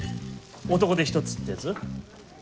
男手一つってやつ？